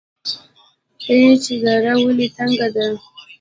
پیج دره ولې تنګه ده؟